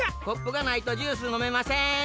コップがないとジュースのめません。